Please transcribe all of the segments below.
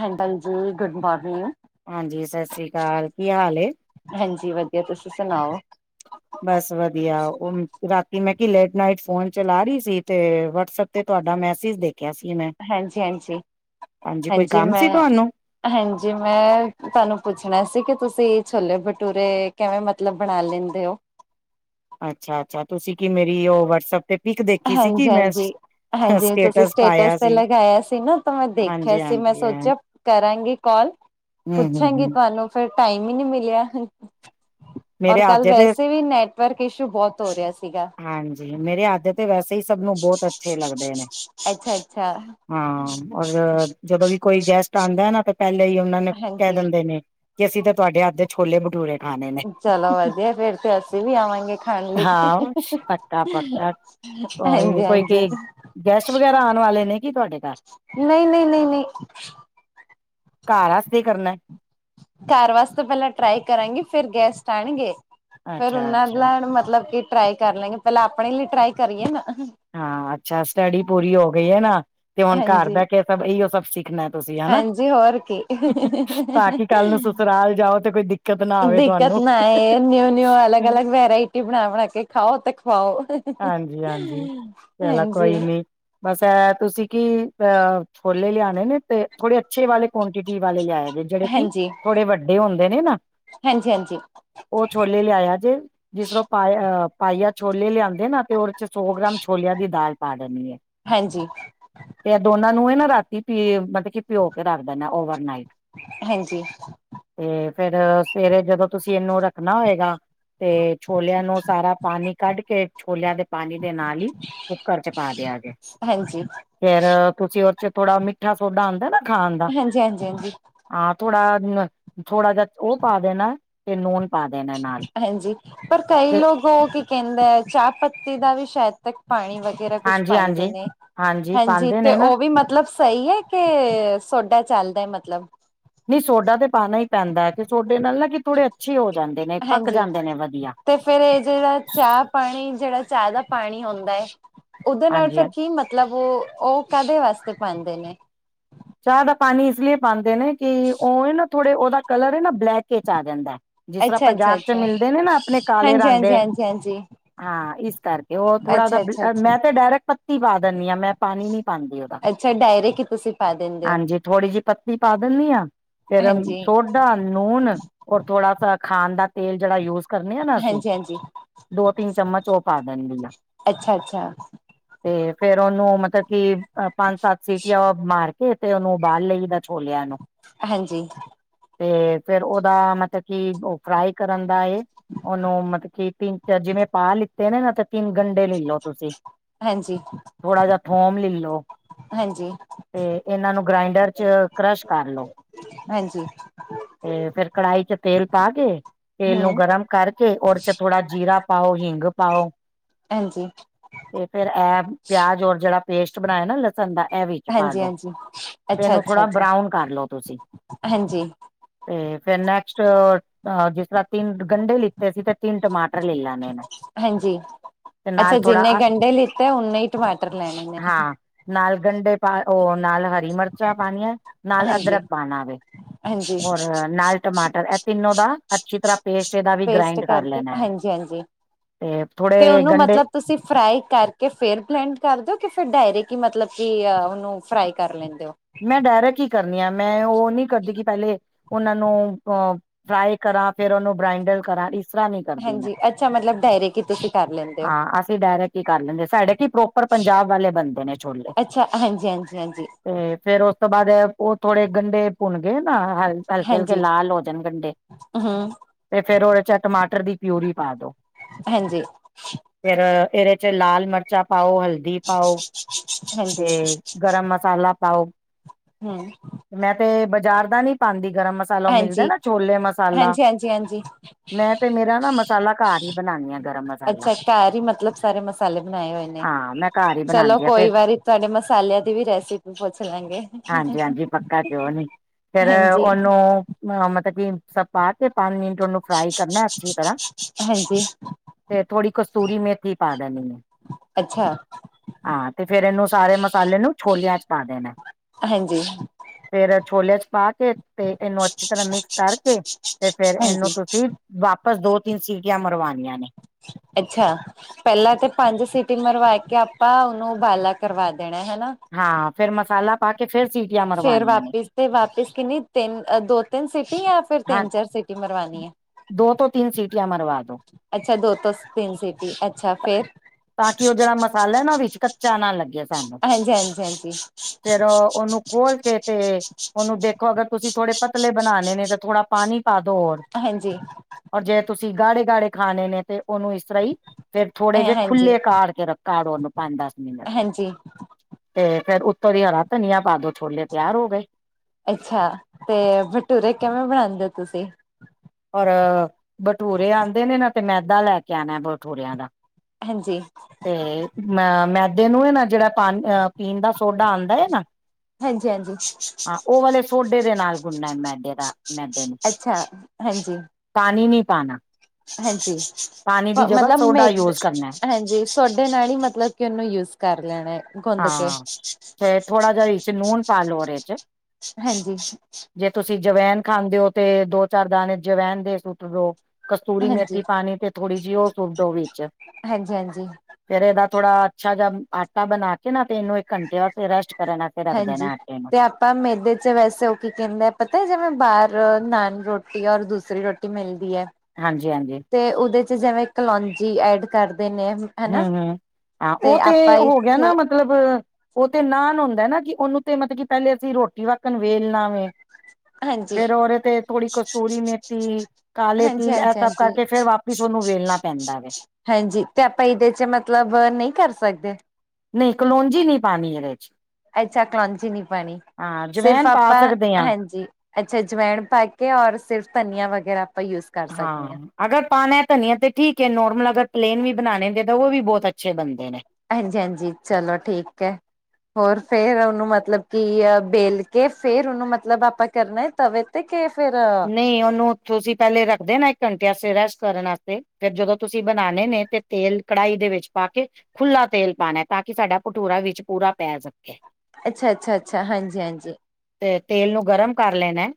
Handle ਜੀ, good morning. ਹਾਂਜੀ, ਸਤਿ ਸ੍ਰੀ ਅਕਾਲ ਕੀ ਹਾਲ ਏ? ਹਾਂਜੀ, ਵਧੀਆ ਤੁਸੀਂ ਸੁਣਾਓ? ਬਸ ਵਧੀਆ ਉਹ ਰਾਤੀ ਮੈਂ ਕੀ ਲੇਟ ਨਾਈਟ ਫੋਨ ਚਲਾ ਰਹੀ ਸੀ ਤੇ ਵਟਸਪ। ਤੇ ਤੁਹਾਡਾ ਮੈਸੇਜ ਦੇਖਿਆ ਸੀ ਮੈਂ, ਹਾਂਜੀ-ਹਾਂਜੀ, ਹਾਂਜੀ ਕੋਈ ਕੰਮ ਸੀ ਤੁਹਾਨੂੰ? ਹਾਂਜੀ, ਮੈਂ ਤੁਹਾਨੂੰ ਪੁੱਛਣਾ ਸੀ ਕਿ ਤੁਸੀਂ ਛੋਲੇ ਬਟੂਰੇ। ਕਿਵੇਂ ਮਤਲਬ ਬਣਾ ਲੈਂਦੇ ਹੋ? ਅੱਛਾ -ਅੱਛਾ ਤੁਸੀਂ ਕੀ ਮੇਰੀ ਉਹ। ਵਟਸਐਪ ਤੇ ਪਿਕ ਦੇਖੀ ਸੀ ਹਾਂਜੀ, ਕਿ ਮੈਂ ਹਾਂਜੀ, ਹਾਂਜੀ ਤੁਸੀਂ ਪਾਇਆ ਸਟੇਟਸ ਤੇ ਸੀ ਲਗਾਇਆ ਸੀ ਨਾ। ਤਾਂ ਦੇਖਿਆ ਹਾਂਜੀ ਸੀ ਮੈਂ ਹਾਂਜੀ ਹਮ ਸੋਚਿਆ। ਕਰਾਂਗੀ ਕਾਲ, ਹਮ ਪੁੱਛਾਂਗੀ ਹਮ ਤੁਹਾਨੂੰ ਫੇਰ ਟਾਈਮ ਹੀ ਨੀ ਮਿਲਿਆ। ਔਰ ਮੇਰੇ ਕੱਲ ਆਜੇ ਤੇ ਵੈਸੇ ਵੀ ਨੈਟਵਰਕ ਇਸ਼ੂ ਬਹੁਤ ਹੋ ਰਿਹਾ ਸੀਗਾ। ਹਾਂਜੀ, ਮੇਰੇ ਹੱਥ ਦੇ ਤੇ ਵੈਸੇ ਹੀ ਸਭ ਨੂੰ ਬਹੁਤ ਅੱਛੇ ਲੱਗਦੇ ਨੇ। ਅੱਛਾ। ਹਾਂ, ਔਰ ਜਦੋਂ ਵੀ ਕੋਈ ਗੈਸਟ। ਆਉਂਦਾ ਨਾ ਤੇ ਪਹਿਲੇ ਹੀ ਉਹਨਾ ਨੂੰ ਕਹਿ ਹਾਂਜੀ। ਦਿੰਦੇ, ਨੇ ਕਿ ਅਸੀਂ ਤਾਂ ਤੁਹਾਡੇ ਹੱਥ ਦੇ ਛੋਲੇ ਭਟੂਰੇ। ਖਾਣੇ ਨੇ ਚਲੋ ਵਧੀਆ, ਫੇਰ ਤੇ ਅਸੀਂ ਵੀ ਆਵਾਂਗੇ ਖਾਣ ਲਈ। ਹਾਂ ਪੱਕਾ ਪੱਕਾ ਕੋਈ ਨੀ ਹਾਂਜੀ- ਕੋਈ ਹਾਂਜੀ। ਕੇ ਗੈਸਟ ਵਗੈਰਾ ਆਉਣ ਵਾਲੇ ਨੇ ਕੀ ਤੁਹਾਡੇ। ਘਰ ਨਹੀਂ- ਨਹੀਂ, ਨਹੀਂ- ਨਹੀਂ। ਘਰ ਆਸਤੇ ਕਰਨਾ ਐ? ਘਰ ਵਾਸਤੇ ਪਹਿਲਾਂ ਟਰਾਈ ਕਰਾਂਗੇ ਫੇਰ ਗੈਸਟ ਆਉਣਗੇ। ਫੇਰ ਅੱਛਾ ਉਹਨਾਂ ਅੱਛਾ ਦਾ ਮਤਲਬ ਕਿ ਟਰਾਈ ਕਰ ਲੈਂਗੇ, ਪਹਿਲਾਂ ਆਪਣੇ ਲਈ ਟਰਾਈ ਕਰੀਏ ਨਾ। ਹਾਂ, ਅੱਛਾ ਸਟੱਡੀ ਪੂਰੀ ਹੋ ਗਈ ਹੈ ਨਾ। ਤੇ ਹੁਣ ਘਰ ਹਾਂਜੀ ਬਹਿ ਕੇ ਸਭ ਇਓ ਸਭ ਸਿੱਖਣਾ ਤੁਸੀਂ ਹਨਾ ਹਾਂਜੀ ਹੋਰ ਕੀ ਤਾਂ ਕਿ। ਕੱਲ ਨੂੰ ਸਸੁਰਾਲ ਜਾਓ ਤੇ ਕੋਈ ਦਿੱਕਤ ਨਾ ਆਵੇ ਦਿੱਕਤ ਤੁਹਾਨੂੰ। ਨਾ ਰੋਟੀ ਬਣਾ -ਬਣਾ ਕੇ ਖਾਓ ਤੇ ਖਵਾਓ। ਹਾਂਜੀ- ਹਾਂਜੀ, ਚਲੋ ਹਾਂਜੀ ਕੋਈ ਨੀ। ਬਸ ਇਹ ਤੁਸੀਂ ਕੀ ਅ ਛੋਲੇ ਲਿਆਣੇ ਨੇ ਤੇ ਥੋੜੇ ਅੱਛੇ ਵਾਲੇ। ਕੁਆਂਟਿਟੀ ਵਾਲੇ ਆਏ ਗ ਜਿਹੜੇ ਕਿ ਹਾਂਜੀ ਹਾਂਜੀ ਥੋੜੇ ਵੱਡੇ ਹੁੰਦੇ ਨੇ ਨਾ। ਹਾਂਜੀ ਉਹ ਛੋਲੇ ਲਿਆਇਆ ਜੇ ਜਿਸਰ ਪ ਪਾਈਆ ਛੋਲੇ ਲਿਆਦੇ ਨਾ ਤੇ। ਸੌ ਗ੍ਰਾਮ ਛੋਲਿਆਂ ਦੀ ਦਾਲ ਪਾ ਦੇਣੀ ਹੈ। ਹਾਂਜੀ। ਤੇ ਦੋਨਾਂ ਨੂੰ ਨਾ ਰਾਤੀ ਪੀ ਮਤਲਬ ਕਿ ਪਿਓ ਕੇ ਰੱਖ ਦਣਾ ਓਵਰਨਾਈਟ। ਹਾਂਜੀ। ਤੇ ਫੇਰ ਸਵੇਰੇ ਜਦੋਂ ਤੁਸੀਂ ਇਹਨੂੰ ਰੱਖਣਾ ਹੋਏਗਾ। ਤੇ ਛੋਲਿਆਂ ਨੂੰ ਸਾਰਾ ਪਾਣੀ ਕੱਢ ਕੇ। ਛੋਲਿਆਂ ਦੇ ਪਾਣੀ ਦੇ ਨਾਲ ਹੀ ਕੰਕਰ ਚ ਪਾ ਦਿਆਂ ਜੇ ਹਾਂਜੀ ਫੇਰ ਤੁਸੀਂ ਉਹਦੇ ਚ ਥੋੜਾ ਮਿੱਠਾ ਸੋਡਾ ਆਉਂਦਾ ਨਾ ਖਾਣ ਦਾ। ਹਾਂਜੀ ਹਾਂਜੀ ਹਾਂ ਥੋੜਾ- ਥੋੜਾ, ਜਿ ਉਹ ਪਾ ਦੇਣਾ ਤੇ ਨੂਣ ਪਾ ਦੇਣਾ ਨਾਲ। ਹਾਂਜੀ, ਪਰ ਕਈ ਤੇ ਲੋਕ ਉਹ ਕੀ ਕਹਿੰਦੇ ਹੈ ਚਾਹ ਪੱਤੀ ਦਾ ਵੀ ਸ਼ਾਇਦ ਤੱਕ ਪਾਣੀ ਵ। ਬਥੇਰਾ ਕੁਛ ਹਾਂਜੀ ਪਉਂਦੇ ਹਾਂਜੀ ਨੇ ਹਾਂਜੀ ਪਾਉਂਦੇ ਤੇ ਨੇ ਨਾ ਉਹ ਵੀ ਮਤਲਬ। ਸਹੀ ਹੈ ਕਿ ਸੋਡਾ ਚੱਲਦਾ ਹੈ ਮਤਲਬ। ਨਹੀਂ ਸੋਡਾ ਤੇ ਪਾਉਣਾ ਹੀ ਪੈਂਦਾ ਹੈ, ਕਿ ਸੋਡੇ ਨਾਲ ਨਾ ਕਿ ਥੋੜੇ ਅੱਛੇ ਹੋ ਜਾਂਦੇ ਨੇ ਪੱਕ ਹਾਂਜੀ ਜਾਂਦੇ ਨੇ ਵਧੀਆ। ਤੇ ਫੇਰ ਇਹ ਜਿਹੜਾ ਚਾਹ ਪਾਣੀ, ਜਿਹੜਾ ਚਾਹ ਦਾ ਪਾਣੀ ਹੁੰਦਾ ਹੈ। ਉਹਦੇ ਨਾਲ ਹਾਂਜੀ ਫਿਰ ਹਾਂ ਕੀ ਮਤਲਬ, ਉਹ ਉਹ ਕਾਹਦੇ ਵਾਸਤੇ ਪਉਦੇ ਨੇ। ਚਾਹ ਦਾ ਪਾਣੀ ਇਸ ਲਈ ਪਾਉਂਦੇ ਨੇ ਕਿ ਉਹ ਹੈ ਨਾ ਥੋੜੇ ਉਹਦਾ ਕਲਰ ਹੈ ਨਾ ਬਲੈਕ ਕੇ ਚ ਆ ਜਾਂਦਾ। ਜਿਸ ਤਰ੍ਹਾਂ ਅੱਛਾ ਅੱਛਾ ਪੰਜਾਬ ਚ ਅੱਛਾ ਮਿਲਦੇ ਨੇ ਨਾ ਆਪਣੇ ਕਾਲੇ ਹਾਂਜੀ ਰੰਗ ਹਾਂਜੀ ਦੇ। ਹਾਂਜੀ ਹਾਂਜੀ ਹਾਂ ਇਸ ਕਰਕੇ ਉਹ ਥੋੜਾ ਅੱਛਾ ਅੱਛਾ ਉਹਦਾ ਅੱਛਾ ਮੈਂ ਤੇ ਡਾਇਰੈਕਟ ਪੱਤੀ ਪਾ ਦਿੰਦੀ ਹਾਂ ਮੈਂ ਪਾਣੀ ਨੀ ਪਾਉਂਦੀ ਉਹਦਾ। ਅੱਛਾ ਡਾਇਰੇਕਟ ਈ ਤੁਸੀਂ ਪਾ ਦਿੰਦੇ ਹੋ ਹਾਂਜੀ, ਥੋੜ੍ਹੀ ਜਿਹੀ ਪੱਤੀ ਪਾ ਦਿੰਦੀ ਹਾਂ ਫੇਰ ਹਾਂਜੀ ਸੋਠ। ਨੂਣ ਔਰ ਥੋੜਾ ਸ ਖਾਣ ਦਾ ਤੇਲ ਜਿਹੜਾ ਯੂਜ। ਕਰਨੇ ਆ ਨਾ ਅਸੀਂ ਹਾਂਜੀ ਹਾਂਜੀ ਦੋ -ਤਿੰਨ ਚਮਚ ਉਹ ਪਾ ਦੇਣ ਦੀ ਆ। ਅੱਛਾ ਅੱਛਾ 'ਤੇ ਫੇਰ ਉਹਨੂੰ ਮਤਲਬ ਕਿ ਪੰਜ ਸੱਤ ਸੀਟੀਆਂ ਉਹ ਮਾਰ ਫਿਰ 'ਤੇ ਉਹਨੂੰ ਉਬਾਲ ਲਈ ਦਾ ਛੋਲਿਆ ਨੂੰ। ਹਾਂਜੀ। 'ਤੇ ਫੇਰ ਉਹਦਾ ਮਤਲਬ ਕੀ ਓ ਫਰਾਈ ਕਰਨ ਦਾ ਏ ਉਹਨੂੰ ਮਤਲਬ ਕਿ ਤਿੰਨ ਚਾਰ ਜਿਵੇਂ ਪਾ ਲੀ 'ਤੇ ਨੇ ਨਾ ਤੇ ਤਿੰਨ ਗੰਢੇ ਲੈ ਲੋ ਤੁਸੀਂ, ਹਾਂਜੀ ਥੋੜਾ ਜਾ ਥੋਮ ਲੈ ਲੋ। ਹਾਂਜੀ। 'ਤੇ ਇਹਨਾਂ ਨੂੰ ਗ੍ਰਇਡਰ 'ਚ ਕਰਸ਼ ਕਰ ਲੋ। ਹਾਂਜੀ। 'ਤੇ ਫੇਰ ਕੜਾਹੀ 'ਚ ਤੇਲ ਪਾ ਕੇ ਤੇਲ ਹੂੰ ਨੂੰ ਗਰਮ ਕਰਕੇ ਉਰ 'ਚ ਥੋੜਾ ਜੀਰਾ ਪਾਓ ਹਿੰਗ ਪਾਓ। ਹਾਂਜੀ। 'ਤੇ ਫੇਰ ਇਹ ਪਿਆਜ ਔਰ ਜਿਹੜਾ ਪੇਸਟ ਬਣਾਇਆ ਨਾ ਲਾ ਸਣ ਦਾ ਇਹ ਵਿੱਚ ਪਾ ਹਾਂਜੀ ਦੋ ਹਾਂਜੀ ਫੇ ਅੱਛਾ ਇਹਨੂੰ ਅੱਛਾ ਥੋੜਾ ਅੱਛਾ ਬਰਾਊਨ ਕਰ ਲੋ ਤੁਸੀਂ। ਹਾਂਜੀ। 'ਤੇ ਫੇਰ ਨੈਕਸਟ ਓ ਜਿਸ ਤਰ੍ਹਾਂ ਤਿੰਨ ਗੰਢੇ ਲਿੱਤੇ ਸੀ 'ਤੇ ਤਿੰਨ ਟਮਾਟਰ ਲੈ ਲੈਣੇ ਨੇ। ਹਾਂਜੀ, ਤੇ ਨਾਲ ਅੱਛਾ ਥੋੜਾ ਜਿੰਨੇ ਗੰਢੇ ਲਿੱਤੇ ਉਨੇ ਈ ਟਮਾਟਰ ਲੈਣੇ ਨੇ। ਹਾਂ ਨਾਲ ਗੰਢੇ ਪਾ, ਉਹ ਨਾਲ ਹਰੀ ਮਿਰਚਾਂ ਪਾਣੀਆਂ, ਨਾਲ ਹਾਂਜੀ ਅਦਰਕ ਪਾਣਾ ਵੇ। ਹਾਂਜੀ ਔਰ ਨਾਲ ਟਮਾਟਰ ਇਹ ਤਿੰਨੋ ਦਾ, ਅੱਛੀ ਤਰ੍ਹਾਂ ਪੇਸਟ ਇਹਦਾ ਵੀ ਗ੍ਰਾਇੰਡ ਕਰ ਲੈਣਾ ਐ। ਜੀ ਹਾਂਜੀ। ਤੇ ਥੋੜੇ ਤੇ ਜੇ ਉਹਨੂੰ ਗੰਢੇ ਮਤਲਬ ਤੁਸੀਂ ਫਰਾਏ ਕਰਕੇ ਫਿਰ ਬਲੈਂਨਡ ਕਰ ਦਿਓ, ਕਿ ਫਿਰ ਡਾਇਰੇਕ ਈ ਮਤਲਬ ਕਿ ਉਹਨੂੰ ਫਰਾਈ ਕਰ ਲੈਂਦੇ ਓ। ਮੈਂ ਡਾਇਰੈਕ ਈ ਕਰਨੀ ਆ, ਮੈਂ ਉਹ ਨੀ ਕਰਦੀ ਕਿ ਪਹਿਲੇ ਉਹਨਾਂ ਨੂੰ ਅਹ ਫਰਾਏ ਕਰਾਂ, ਫੇਰ ਉਹਨੂੰ ਬ੍ਰਾਇਡਰ ਕਰਾਂ ਇਸ ਸਰਾ ਨੀ ਕਰਦੀ ਮੈਂ, ਹਾਂਜੀ ਅੱਛਾ ਮਤਲਬ ਡਾਇਰੇਕ ਹੀ ਤੁਸੀਂ ਕਰ ਲੈਂਦੇ ਹੋ ਆ ਅਸੀਂ ਡਾਇਰੈਕਟ ਈ ਕਰ ਲੈਂਦੇ, ਸਾਡੇ ਕੀ ਪ੍ਰੋ ਪਰ ਪੰਜਾਬ ਵਾਲੇ ਬਨਦੇ ਨੇ ਛੋਲੇ। ਅੱਛਾ ਹਾਂਜੀ ਹਾਂਜੀ ਤੇ, ਫੇਰ ਉਸ ਤੋਂ ਬਾਅਦ, ਉਹ ਥੋੜੇ ਗੰਢੇ ਭੁਣ ਗਏ ਨਾ, ਹਲ ਹਲਕੇ-ਹਲਕੇ ਲਾਲ ਹੋ ਜਾਣ ਗੰਢੇ। ਹੂੰ ਤੇ ਫੇਰ ਉਹਦੇ 'ਚ ਟਮਾਟਰ ਦੀ ਪਿਊਰੀ ਪਾ ਦੋ। ਹਾਂਜੀ। ਫੇਰ ਇਹਦੇ 'ਚ ਲਾਲ ਮਿਰਚਾਂ ਪਾਓ, ਹਲ ਦੀ ਪਾਓ ਹਾਂਜੀ 'ਤੇ ਗਰਮ ਮਸਾਲਾ ਪਾਓ। ਹੂੰ ਮੈਂ 'ਤੇ ਬਾਜ਼ਾਰ ਦਾ ਨੀ ਪਾਂਦੀ ਗਰਮ ਮਸ ਸਾਲੋ ਮਿਲਦਾ ਹਾਂਜੀ ਨਾ ਛੋਲੇ ਮਸਾਲਾ, ਹਾਂਜੀ ਹਾਂਜੀ ਹਾਂਜੀ ਮੈਂ 'ਤੇ ਮੇਰਾ ਨਾ ਮਸਾਲਾ ਘਰ ਹੀ ਬਣਾਉਣੀ ਆ ਗਰਮ ਮਸਾਲਾ ਅੱਛਾ, ਘਰ ਈ ਮਤਲਬ ਸਾਰੇ ਮਸਾਲੇ ਬਣਾਏ ਹੋਏ ਨੇ, ਹਾਂ ਮੈਂ ਘਰ ਹੀ ਚਲੋ ਬਣਾਉਂਦੀ ਆ ਕੋਈ ਫੇਰ ਵਾਰੀ ਤੁਹਾਡੇ ਮਸਾਲਿਆਂ ਦੀ ਵੀ ਰੈਸਿਪੀ ਪੁੱਛ ਲਾਂਗੇ। ਹਾਂਜੀ-ਹਾਂਜੀ ਪੱਕਾ ਕਿਓ ਨੀ, ਫੇਰ ਹਾਂਜੀ, ਉਹਨੂੰ ਮ ਮਤਲਬ ਕੀ ਸ ਪਾ ਕੇ ਪੰਜ ਮਿੰਟ ਉਹਨੂੰ ਫਰਾਈ ਕਰਨਾ ਅੱਛੀ ਤਰ੍ਹਾਂ। ਹਾਂਜੀ, ਫੇਰ ਥੋੜੀ ਕਸਤੂਰੀ ਮੇਥੀ ਪਾ ਦੇਣੀ ਏ। ਅੱਛਾ! ਹਾਂ 'ਤੇ ਫੇਰ ਇਹਨੂੰ ਸਾਰੇ ਮਸਾਲੇ ਨੂੰ ਛੋਲਿਆਂ 'ਚ ਪਾ ਦੇਣਾ। ਹਾਂਜੀ। ਫੇਰ ਛੋਲਿਆਂ 'ਚ ਪਾ ਕੇ 'ਤੇ ਇਹਨੂੰ ਅੱਛੀ ਤਰ੍ਹਾਂ ਮਿਕਸ ਕਰਕੇ 'ਤੇ ਫੇਰ ਇਹਨੂੰ ਹਾਂਜੀ। ਤੁਸੀਂ ਵਾਪਸ ਦੋ ਤਿੰਨ ਸੀਟੀਆਂ ਮਰਵਾਣੀਆਂ ਨੇ। ਅੱਛਾ! ਪਹਿਲਾਂ 'ਤੇ ਪੰਜ ਸੀਟੀ ਮਰਵਾ ਕੇ ਆਪਾਂ ਉਹਨੂੰ ਉਬਾਲਾ ਕਰਵਾ ਦੇਣਾ, ਹਨਾ। ਹਾਂ, ਫੇਰ ਮਸਾਲਾ ਪਾ ਕੇ ਫਿਰ ਸੀ ਫੇਰ ਵਾਪਿਸ ਤੇ ਵਾਪਿਸ ਕਿੰਨੀ ਤਿੰਨ, ਦੋ- ਤਿੰਨ ਸਿਟੀ ਯਾ ਫੇਰ ਹਾਂ ਤਿੰਨ- ਚਾਰ ਸਿਟੀ ਦੋ ਤੋਂ ਤਿੰਨ ਸੀਟੀਆਂ ਮਰਵਾ ਦੋ ਅੱਛਾ ਦੋ ਤੋਂ ਤਿੰਨ ਸਿਟੀ, ਅੱਛਾ ਫੇਰ ਤਾਂ ਕਿ ਉਹ ਜਿਹੜਾ ਮਸਾਲਾ ਨਾ, ਉਹ ਵਿੱਚ ਕੱਚਾ ਨਾ ਲੱਗੇ ਸਾਨੂੰ, ਹਾਂਜੀ, ਹਾਂਜੀ, ਹਾਂਜੀ, ਫੇਰ ਉਹਨੂੰ ਬੋਲ ਕੇਤੇ ਉਹਨੂੰ ਦੇਖੋ ਅਗਰ ਤੁਸੀਂ ਥੋੜੇ ਪਤਲੇ ਬਣਾਉਣੇ ਨੇ ਤਾਂ ਥੋੜਾ ਪਾਣੀ ਪਾ ਦੋ ਹੋਰ ਹਾਂਜੀ ਔਰ ਜੇ ਤੁਸੀਂ ਗਾੜੇ-ਗਾੜੇ ਖਾਣੇ ਨੇ ਤੇ ਉਹਨੂੰ ਇਸ ਤਰ੍ਹਾਂ ਹੀ, ਫੇਰ ਥੋੜੇ ਜਿਹੇ ਹਾਂਜੀ, ਖੁੱਲੇ ਕਾਰ ਕੇ ਰੱਖ ਕਾਰੋ ਉਨੂੰ ਪੰਜ, ਦਸ ਮਿੰਟ ਹਾਂਜੀ, ਤੇ ਫੇਰ ਉਤੋਂ ਦੀ ਹਰਾ ਧਨੀਆ ਪਾ ਦੋ, ਛੋਲੇ ਤਿਆਰ ਹੋ ਗਏ ਅੱਛਾ, ਤੇ ਬਟੂਰੇ ਕਿਵੇਂ ਬਣਾਉਂਦੇ ਹੋ ਤੁਸੀਂ ਔਰ ਬਟੂਰੇ ਆਉਂਦੇ ਨੇ ਨਾ ਤੇ ਮੈਦਾ ਲੈ ਕੇ ਆਉਣਾ ਬਟੂੂਰਿਆਂ ਦਾ ਹਾਂਜੀ ਤੇ ਅ ਮੈਦੇ ਨੂੰ ਇਹ ਹੈ ਨਾ ਜਿਹੜਾ ਪਾਣ ਪੀਣ ਦਾ ਸੋਡਾ ਆਉਂਦਾ ਏ ਨਾ ਹਾਂਜੀ-ਹਾਂਜੀ ਹਾਂ ਉਹ ਵਾਲੇ ਸੋਡੇ ਦੇ ਨਾਲ ਗੁਣਨਾ ਮੈਦੇ ਦਾ ਮੈਦੇ ਨੂੰ ਅੱਛਾ ਹਾਂਜੀ ਪਾਨੀ ਨਹੀਂ ਪਾਣਾ ਹਾਂਜੀ ਮਤਲਬ ਸੋਡਾ ਮੇਦ ਯੂਜ ਕਰਨਾ ਹਾਂਜੀ ਸੋਡੇ ਨਾਲ ਹੀ ਮਤਲਬ ਕਿ ਉਹਨੂੰ ਯੂਜ ਕਰ ਲੈਣਾ ਏ ਗੁੰਦ ਕੇ ਹਾਂ ਤੇ ਥੋੜਾ ਜਿਹਾ ਵਿੱਚ ਨੂਨ ਪਾ ਲੋ ਉਹਦੇ ਚ ਹਾਂਜੀ ਜੇ ਤੁਸੀਂ ਜਵੈਨ ਖਾਂਦੇ ਹੋ ਤੇ ਦੋ-ਚਾਰ ਦਾਣੇ ਜਵੈਨ ਦੇ ਸੁੱਟ ਲੋ ਕਸਤੂਰੀ ਹਾਂਜੀ, ਮੇਥੀ ਪਾਣੀ ਤੇ ਥੋੜ੍ਹੀ ਜਿਹੀ ਉਹ ਸੁੱਟੋ ਦੋ ਵਿੱਚ ਹਾਂਜੀ, ਫੇਰ ਇਹਦਾ ਥੋੜਾ ਅੱਛਾ ਜਿਹਾ ਆਟਾ ਬਣਾ ਕੇ ਨਾ ਤੇ ਇਹਨੂੰ ਘੰਟੇ ਵਾਸਤੇ ਰੈਸਟ ਕਰਨ ਵਾਂਸਤੇ ਰੱਖ ਹਾਂਜੀ ਦੇਣਾ ਆਟੇ ਨੂੰ ਤੇ ਆਪਾਂ ਮੇਦੇ ਚ ਵੈਸੇ ਉਹ ਕੀ ਕਹਿੰਦੇ ਪਤਾ ਹੈ ਜਿਵੇਂ ਬਾਹਰ ਨਾਨ ਰੋਟੀ ਔਰ ਦੂਸਰੀ ਰੋਟੀ ਮਿਲਦੀ ਏ। ਹਾਂਜੀ-ਹਾਂਜੀ। ਤੇ ਉਹਦੇ ਚ 'ਜਿਵੇਂ ਕਲੋਂਜੀ ਐਡ ਕਰ ਦੇਨੇ ਆ ਜੀ। ਹਮ-ਹਮ ਹਾਂ ਉਹ ਤੇ ਹੋ ਗਿਆ ਇੱਥੇ ਨਾ ਮਤਲਬ ਮਤਲਬ ਉਹ ਤੇ ਨਾਨ ਹੁੰਦਾ ਨਾ ਕਿ ਉਹਨੂੰ ਤੇ ਮਤਲਬ ਕਿ ਪਹਿਲੇ ਅਸੀਂ ਰੋਟੀ ਵਕਣ ਵੇਲਣਾ ਵੇ। ਹਾਂਜੀ, ਫੇਰ ਉਹਦੇ ਤੇ ਥੋੜੀ ਕਸਤੂਰੀ ਮੇਥੀ, ਕਾਲੇ ਹਾਂਜੀ, ਤਿਲ ਇਹ ਹਾਂਜੀ, ਸਭ ਹਾਂਜੀ। ਕਰਕੇ ਫੇਰ ਵਾਪ ਵਾਪਸ ਉਹਨੂੰ ਵੇਲਣਾ ਪੈਂਦਾ ਵੇ। ਹਾਂਜੀ ਤੇ ਆਪਾਂ ਇਹਦੇ ਚ ਮਤਲਬ ਨਹੀਂ ਕਰ ਸਕਦੇ। ਨਹੀਂ ਕਲੋਂਜੀ ਨਹੀਂ ਪਾਣੀ ਇਦੇ ਚ ਅੱਛਾ ਕਲੋਂਜੀ ਨਹੀਂ ਪਾਨੀ ਹਾਂ ਸਿਰਫ ਜਵੈਨ ਪਾ ਆਪਾਂ ਸਕਦੇ ਹਾਂ। ਹਾਂਜੀ ਅੱਛਾ ਅਜਵਾਇਣ ਪਾ ਕੇ ਔਰ ਸਿਰਫ ਧਨੀਆ ਵਗੈਰਾ ਆਪਾਂ ਯੂਜ ਕਰ ਸਕਦੇ ਹਾਂ ਅਗਰ ਪਾਨੇ ਧਨੀਆ ਤੇ ਠੀਕ ਹੈ ਨੋਰਮਲ ਅਗਰ ਪਲੇਨ ਵੀ ਬਣਾਣੇ ਨੇ ਤੇ ਉਹ ਵੀ ਬਹੁਤ ਅੱਛੇ ਬਣਦੇ ਨੇ। ਹਾਂਜੀ-ਹਾਂਜੀ ਚਲੋ ਠੀਕ ਹੈ। ਹੋਰ ਫੇਰ ਉਹਨੂੰ ਮਤਲਬ ਕੀ ਬੇਲ ਕੇ ਫੇਰ ਉਹਨੂੰ ਮਤਲਬ ਆਪਾਂ ਕਰਨਾ ਤਵੇ ਤੇ ਕੇ ਫੇਰ ਨਹੀਂ ਉਹਨੂੰ ਤੁਸੀਂ ਪਹਿਲੇ ਰੱਖਦੇ ਨੇ ਇੱਕ ਘੰਟੇ ਵਾਸਤੇ ਰੈਸਟ ਕਰਨ ਵਾਸਤੇ ਫਿਰ ਜਦੋਂ ਤੁਸੀਂ ਬਣਾਣੇ ਨੇ ਤੇ ਤੇਲ ਕੜਾਹੀ ਦੇ ਵਿੱਚ ਪਾ ਕੇ ਖੁਲਾ ਤੇਲ ਪਾਣਾ ਤਾਂ ਕਿ ਸਾਡਾ ਭਟੂਰਾ ਵਿੱਚ ਪੂਰਾ ਪੈ ਸਕੇ। ਅੱਛਾ-ਅੱਛਾ-ਅੱਛਾ, ਹਾਂਜੀ-ਹਾਂਜੀ ਤੇ ਤੇਲ ਨੂੰ ਗਰਮ ਕਰ ਲੈਣਾ।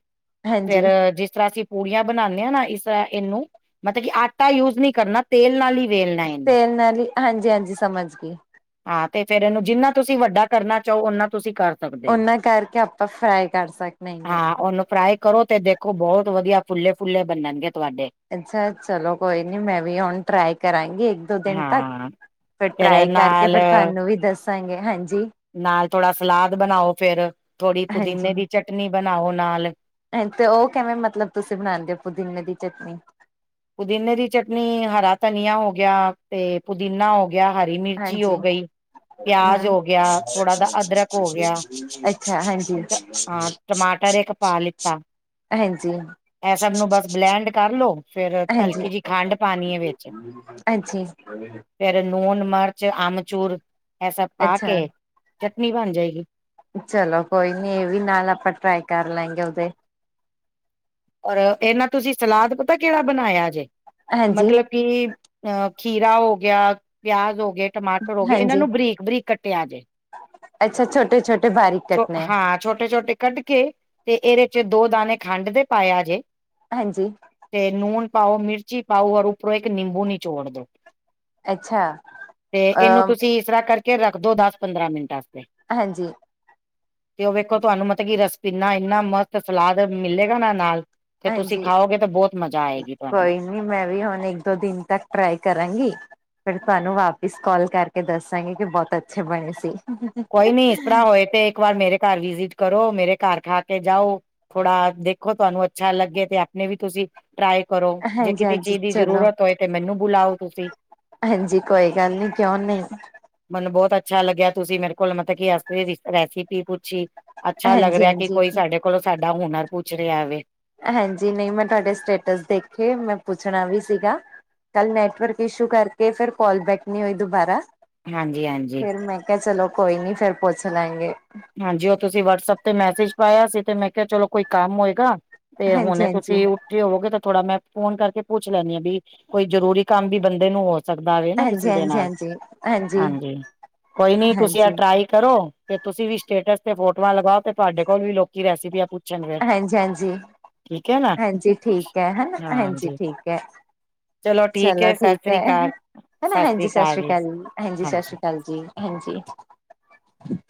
ਫੇਰ ਹਾਂਜੀ ਜਿਸ ਤਰ੍ਹਾਂ ਅਸੀਂ ਪੂੜੀਆਂ ਬਣਾਣੇ ਹਾਂ ਨਾ ਇਸ ਇਹਨੂੰ ਮਤਲਬ ਕਿ ਆਟਾ ਯੂਜ ਨਹੀਂ ਕਰਨਾ। ਤੇਲ ਨਾਲ ਹੀ ਵੇਲਣਾ ਇਹਨੂੰ ਤੇਲ ਨਾਲ ਹੀ ਹਾਂਜੀ ਹਾਂਜੀ ਸਮਝ ਗਈ ਹਾਂ ਤੇ ਫੇਰ ਇਹਨੂੰ ਜਿੰਨਾ ਤੁਸੀਂ ਵੱਡਾ ਕਰਨਾ ਚਾਹੋ ਓਨਾ ਤੁਸੀਂ ਕਰ ਸਕਦੇ ਹੋ। ਉਹਨਾਂ ਕਰਕੇ ਆਪਾਂ ਫਰਾਈ ਕਰ ਸਕਦੇ ਹਾਂ ਇਹਨੂੰ ਫਰਾਈ ਕਰੋ ਤੇ ਦੇਖੋ ਬਹੁਤ ਵਧੀਆ ਫੁੱਲੇ ਫੁੱਲੇ ਬਨਣਗੇ ਤੁਹਾਡੇ। ਅਛਾ, ਚਲੋ ਕੋਈ ਨੀ, ਮੈ ਵੀ ਹੁਣ ਟਰਾਈ ਕਰਾਂਗੀ ਇਕ ਦੋ ਦਿਨ ਤੱਕ- ਹਾਂ ਫਿਰ ਫੇਰ ਟਰਾਈ ਕਰਕੇ ਨਾਲ ਫਿਰ ਤੁਹਾਨੂੰ ਵੀ ਦੱਸਾਂਗੇ ਹਾਂਜੀ। ਨਾਲ ਥੋੜਾ ਸਲਾਦ ਬਣਾਓ ਫੇਰ ਥੋੜ੍ਹੀ ਪੁਦੀਨੇ ਹਾਂਜੀ, ਦੀ ਚਟਨੀ ਬਣਾਓ ਨਾਲ- ਤੇ ਉਹ ਕਿਵੇ ਮਤਲਬ ਤੁਸੀ ਬਣਾਉਦੇ ਹੋ ਪੁਦੀਨੇ ਦੀ ਚਟਨੀ? ਪੁਦੀਨੇ ਦੀ ਚਟਨੀ ਹਰਾ ਧਨੀਆ ਹੋ ਗਿਆ ਤੇ ਪੁਦੀਨਾ ਹੋ ਗਿਆ। ਗਿਆ ਹਰੀ ਮਿਰਚੀ ਹੋ ਹਾਂਜੀ, ਗਈ। ਪਿਆਜ ਹਮ ਹੋ ਗਿਆ ਥੋੜਾ ਦਾ ਅਦਰਕ ਹੋ ਗਿਆ ਅੱਛਾ ਹਾਂਜੀ, ਹਾਂ। ਟਮਾਟਰ ਇਕ ਪਾ ਲਿੱਤਾ ਹਾਂਜੀ, ਇਹ ਸਭ ਨੂੰ ਬਸ ਬਲੈਂਡ ਕਰ ਲੋ- ਫੇਰ ਹਾਂਜੀ, ਹਲਕੀ ਜਿਹੀ ਖੰਡ ਪਾਣੀ ਏ ਵਿਚ- ਹਾਂਜੀ। ਫੇਰ ਲੂਣ ਮਿਰਚ ਆਮਚੂਰ ਇਹ ਸਭ ਪਾ ਕੇ ਅੱਛਾ, ਚਟਨੀ ਬਣ ਜਾਏਗੀ। ਚਲੋ ਕੋਈ ਨੀ ਇਹ ਵੀ ਨਾਲ ਆਪਾਂ ਟਰਾਈ ਕਰ ਲੈਗੇ ਉਹਤੇ- ਔਰ ਇਹਨਾਂ ਤੁਸੀ ਸਲਾਦ ਪਤਾ ਕਿਹੜਾ ਬਣਾਇਆ ਜੇ ਹਾਂਜੀ, ਮਤਲਬ- ਕਿ ਖੀਰਾ ਹੋ ਗਿਆ ਪਿਆਜ ਹੋ ਗਏ ਟਮਾਟਰ ਹੋ ਗਏ ਇਹਨਾਂ ਹਾਂਜੀ। ਨੂੰ ਬਰੀਕ- ਬਰੀਕ ਕੱਟਿਆ ਜੇ ਅੱਛਾ ਛੋਟੇ-ਛੋਟੇ ਬਾਰੀਕ ਕੱਟਣੇ ਹਾਂ। ਛੋਟੇ- ਛੋਟੇ ਕੱਟ ਕੇ ਤੇ ਇਹਦੇ 'ਚ ਦੋ ਦਾਣੇ ਖੰਡ ਦੇ ਪਾਇਆ ਜੇ- ਹਾਂਜੀ- ਤੇ ਨੂਨ ਪਾਓ ਮਿਰਚੀ ਪਾਓ ਔਰ ਉੱਪਰੋਂ ਇਕ ਨਿੰਬੂ ਨੀਚੋੜ ਦੋ ਅੱਛਾ ਤੇ ਇਹਨੂੰ ਅ ਤੁਸੀ ਇਸ ਤਰ੍ਹਾਂ ਕਰਕੇ ਰੱਖਦੋ ਦਸ ਪੰਦਰਾਂ ਮਿੰਟ ਵਾਸਤੇ- ਹਾਂਜੀ- ਤੇ ਉਹ ਵੇਖੋ ਤੁਹਾਨੂੰ ਮਤਲਬ ਕੀ ਰਸ ਭਿੰਨਾ ਇਨਾ ਮਸਤ ਸਲਾਦ ਮਿਲੇਗਾ ਨਾ ਨਾਲ- ਤੇ ਤੁਸੀ ਖਾਓਗੇ ਤਾਂ ਬਹੁਤ ਮਜਾ ਆਏਗੀ ਤੁਹਾਨੂੰ- ਮੈ ਵੀ ਹੁਣ ਇਕ ਦੋ ਦਿਨ ਤੱਕ ਟਰਾਈ ਕਰਾਂਗੀ। ਫਿਰ ਤੁਹਾਨੂੰ ਵਾਪਿਸ ਕਾਲ ਕਰਕੇ ਦੱਸਾਂਗੇ ਕਿ ਬਹੁਤ ਅੱਛੇ ਬਣੇ ਸੀ। ਕੋਈ ਨੀ ਇਸ ਤਰ੍ਹਾਂ ਹੋਏ ਤੇ ਇਕ ਵਾਰ ਮੇਰੇ ਘਰ ਵੀ ਕਰੋ ਮੇਰੇ ਘਰ ਖਾ ਕੇ ਜਾਓ ਥੋੜਾ ਦੇਖੋ ਤੁਹਾਨੂੰ ਅੱਛਾ ਲਗੇ ਤੇ ਆਪਣੇ ਵੀ ਤੁਸੀ- ਟਰਾਈ ਕਰੋ ਜੇ ਕਿਸੇ ਹਾਂਜੀ-ਹਾਂਜੀ, ਚੀਜ ਦੀ ਚਲੋ ਜ਼ਰੂਰਤ ਹੋਏ ਤੇ ਮੈਨੂੰ ਬੁਲਾਓ ਤੁਸੀ- ਹਾਂਜੀ ਕੋਈ ਗੱਲ ਨੀ ਕਿਉ ਨਹੀ- ਮੈਨੂੰ ਬਹੁਤ ਅੱਛਾ ਲਗਿਆ ਤੁਸੀ ਮੇਰੇ ਕੋਲ ਮਤਲਬ ਕਿ ਅ ਰੈਸਿਪੀ ਪੁੱਛੀ- ਅੱਛਾ ਲਗ ਹਾਂਜੀ ਰਿਹੈ ਕਿ ਹਾਂਜੀ ਕੋਈ ਸਾਡੇ ਕੋਲੋਂ ਸਾਡਾ ਹੁਨਰ ਪੁੱਛ ਰਿਹੈ ਵੇ। ਹਾਂਜੀ ਨਹੀ ਮੈਂ ਤੁਹਾਡੇ ਸਟੇਟਸ ਦੇਖੇ ਮੈ ਪੁੱਛਣਾ ਵੀ ਸੀਗਾ। ਕਲ ਨੈਟਵਰਕ ਇਸ਼ੂ ਕਰਕੇ ਫੇਰ ਕਾਲ ਬੈਕ ਨਹੀਂ ਹੋਈ ਦੁਬਾਰਾ- ਹਾਂਜੀ ਹਾਂਜੀ। ਫੇਰ ਮੈਂ ਕਿਹਾ ਚਲੋ ਕੋਈ ਨੀ ਫੇਰ ਪੁੱਛ ਲਾਂਗੇ। ਹਾਂਜੀ ਉਹ ਤੁਸੀ ਵਟਸਐਪ ਤੇ ਮੈਸੇਜ ਪਾਇਆ ਸੀ ਤੇ ਮੈ ਕਿਹਾ ਚਲੋ ਕੋਈ ਕੰਮ ਹੋਏਗਾ। ਤੇ ਹਾਂਜੀ ਹੁਣੇ ਹਾਂਜੀ ਤੁਸੀ- ਹੋਵੋਗੇ ਤੇ ਥੋੜਾ ਮੈਂ ਫੋਨ ਕਰਕੇ ਪੁੱਛ ਲੈਨੀ ਹਾਂ ਵੀ ਕੋਈ ਜਰੂਰੀ ਕੰਮ ਵੀ ਬੰਦੇ ਨੂੰ ਹੋ ਸਕਦਾ ਵੇ ਨਾ ਹਾਂਜੀ ਕਿਸੇ ਦੇ ਹਾਂਜੀ ਨਾਲ ਹਾਂਜੀ ਹਾਂਜੀ ਕੋਈ ਨੀ ਤੁਸੀ ਆ ਹਾਂਜੀ ਟਰਾਈ- ਕਰੋ ਤੇ ਤੁਸੀ ਵੀ ਸਟੇਟਸ ਤੇ ਫੋਟੋਆਂ ਲਗਾਓ ਤੇ ਤੁਹਾਡੇ ਕੋਲ ਵੀ ਲੋਕੀ ਰੈਸਪੀਆਂ ਪੁੱ- ਹਾਂਜੀ -ਹਾਂਜੀ- ਨਾ ਹਾਂਜੀ ਠੀਕ ਹੈ। ਹਨ ਹਾਂਜੀ ਠੀਕ ਹੈ। ਚਲੋ ਠੀਕ ਹੈ। ਹਨਾ ਹਾਂਜੀ ਸਤਿ ਸ੍ਰੀ ਅਕਾਲ ਜੀ ਹਾਂਜੀ ਸਤਿ ਸ੍ਰੀ ਅਕਾਲ ਜੀ- ਜੀ ਹਾਂਜੀ-